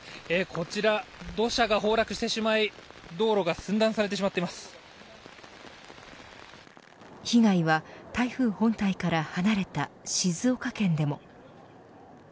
こちら土砂が崩落してしまい道路が被害は台風本体から離れた静岡県でも。